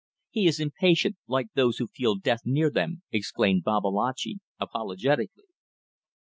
"He is impatient, like those who feel death near them," exclaimed Babalatchi, apologetically.